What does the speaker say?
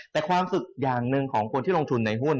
แต่ความสุขอย่างหนึ่งของคนที่ลงทุนในหุ้น